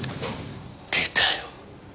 出たよ。